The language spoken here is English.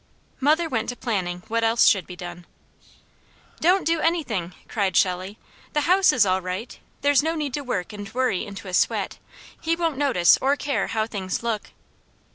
Mother went to planning what else should be done. "Don't do anything!" cried Shelley. "The house is all right. There's no need to work and worry into a sweat. He won't notice or care how things look."